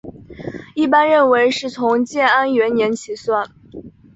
一般认为是从建安元年起算。